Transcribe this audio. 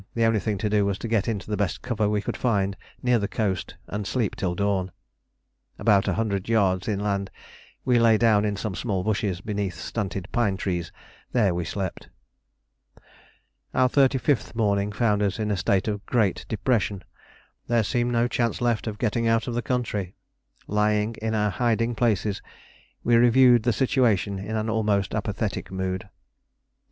the only thing to do was to get into the best cover we could find near the coast and sleep till dawn. About a hundred yards inland we lay down in some small bushes beneath stunted pine trees. There we slept. Our thirty fifth morning found us in a state of great depression. There seemed no chance left of getting out of the country. Lying in our hiding places we reviewed the situation in an almost apathetic mood.